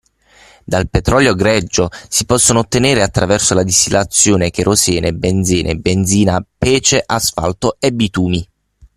Dal petrolio greggio si possono ottenere attraverso la distillazione cherosene, benzene, benzina, pece, asfalto e bitumi.